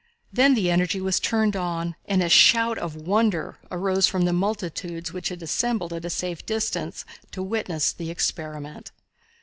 Then the energy was turned on, and a shout of wonder arose from the multitudes which had assembled at a safe distance to witness the experiment.